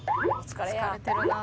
「疲れてるな」